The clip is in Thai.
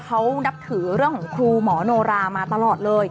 เขานับถือเรื่องของครูหมอโนรามาตลอดเลย